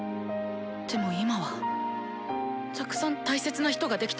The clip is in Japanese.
でも今はたくさん大切な人ができた。